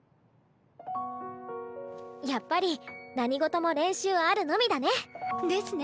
やっぱり何ごとも練習あるのみだね。ですね。